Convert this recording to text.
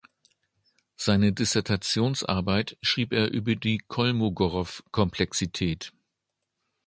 Seine Dissertationsarbeit schrieb er über Kolmogorov-Komplexität.